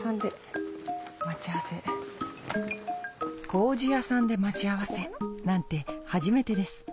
こうじやさんで待ち合わせなんて初めてです。